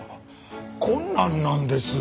困難なんです。